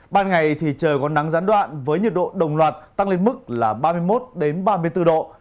ban ngày thì trời có nắng gián đoạn với nhiệt độ đồng loạt tăng lên mức là ba mươi một ba mươi bốn độ